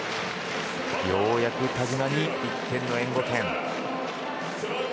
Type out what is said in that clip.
ようやく田嶋に１点の援護点。